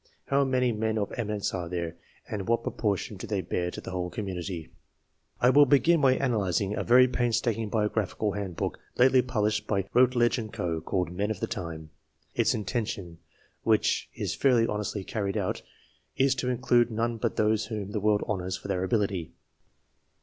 How many men of " eminence " are there, and what proportion do they bear to the whole community ? I will begin by analysing a very painstaking biographical handbook, lately published by Routledge and Co., called " Men of the Time." Its intention, which is very fairly and honestly carried out, is to include none but those whom the world honours for their ability.